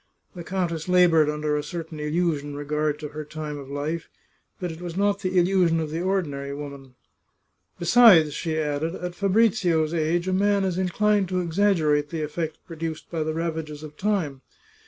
" The countess la boured under a certain illusion with regard to her time of life, but it was not the illusion of the ordinary woman. " Besides," she added, " at Fabrizio's age a man is inclined to exaggerate the effect produced by the ravages of time.